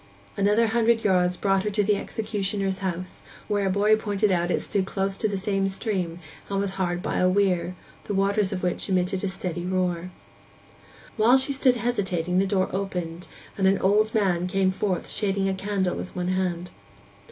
Another hundred yards brought her to the executioner's house, which a boy pointed out It stood close to the same stream, and was hard by a weir, the waters of which emitted a steady roar. While she stood hesitating the door opened, and an old man came forth shading a candle with one hand.